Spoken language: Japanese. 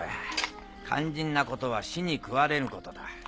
肝心なことは死に食われぬことだ。